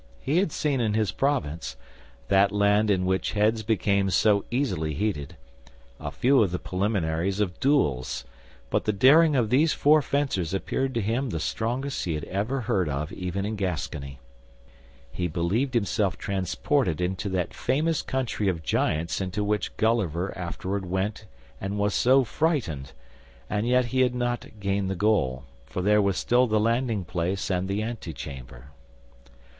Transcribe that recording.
He had seen in his province—that land in which heads become so easily heated—a few of the preliminaries of duels; but the daring of these four fencers appeared to him the strongest he had ever heard of even in Gascony. He believed himself transported into that famous country of giants into which Gulliver afterward went and was so frightened; and yet he had not gained the goal, for there were still the landing place and the antechamber.